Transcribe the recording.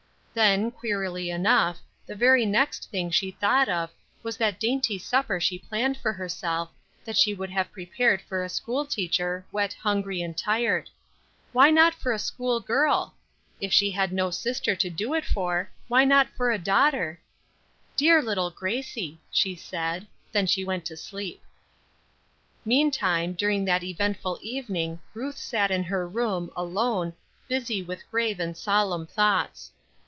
Then, queerly enough, the very next thing she thought of, was that dainty supper she planned for herself, that she could have prepared for a school teacher, wet, hungry and tired. Why not for a school girl? If she had no sister to do it for, why not for a daughter? "Dear little Gracie!" she said. Then she went to sleep. Meantime, during that eventful evening Ruth sat in her room, alone, busy with grave and solemn thoughts.